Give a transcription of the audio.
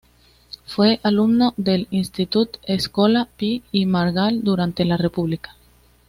Fue alumno del Institut Escola Pi i Margall durante la República.